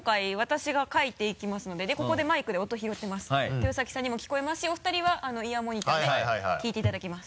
豊崎さんにも聞こえますしお二人はイヤーモニターで聞いていただきます。